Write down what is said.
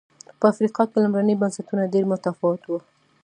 په افریقا کې لومړني بنسټونه ډېر متفاوت و.